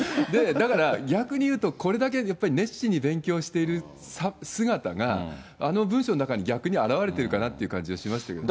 だから、逆にいうと、これだけやっぱり熱心に勉強している姿が、あの文書の中に逆に表れてるかなっていう感じはしましたけどね。